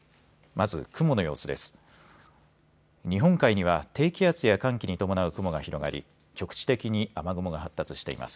まず雲の様子です。